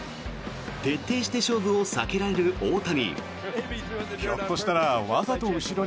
徹底して勝負を避けられる大谷。